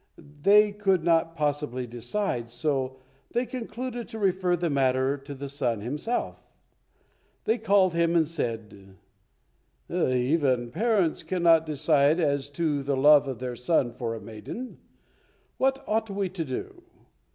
They could not possibly decide, so they concluded to refer the matter to the son himself. They called him and said, "Even parents cannot decide as to the love of their son for a maiden. What ought we to do?